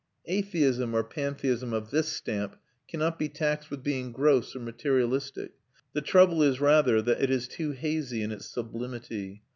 Atheism or pantheism of this stamp cannot be taxed with being gross or materialistic; the trouble is rather that it is too hazy in its sublimity.